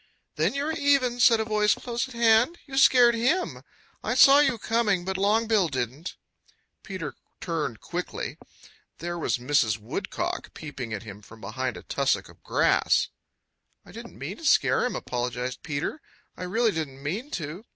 "Then you are even," said a voice close at hand. "You scared him. I saw you coming, but Longbill didn't." Peter turned quickly. There was Mrs. Woodcock peeping at him from behind a tussock of grass. "I didn't mean to scare him," apologized Peter. "I really didn't mean to.